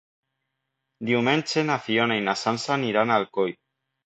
Diumenge na Fiona i na Sança aniran a Alcoi.